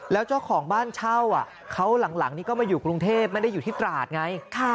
แล้วเจ้าของบ้านเช่าเขาหลังนี้ก็มาอยู่กรุงเทพไม่ได้อยู่ที่ตราดไง